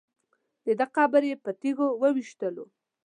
دده قبر یې په تیږو ویشتلو.